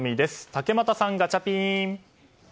竹俣さん、ガチャピン。